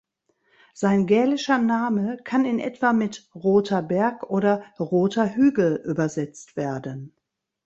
Sein gälischer Name kann in etwa mit "Roter Berg" oder "Roter Hügel" übersetzt werden.